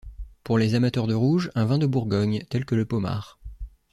Pour les amateurs de rouge, un vin de Bourgogne, tel que le pommard.